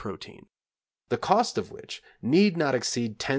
protein); the cost of which need not exceed 10c.